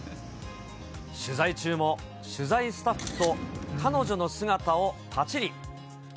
取材中も、取材スタッフと彼女の姿をぱちり。